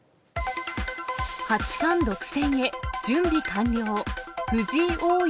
八冠独占へ、準備完了。